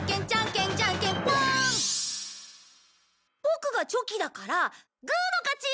ボクがチョキだからグーの勝ち！